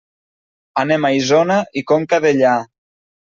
Anem a Isona i Conca Dellà.